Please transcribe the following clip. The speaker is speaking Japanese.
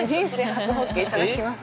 初ほっけいただきます。